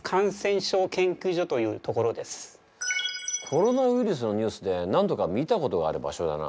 コロナウイルスのニュースで何度か見たことがある場所だな。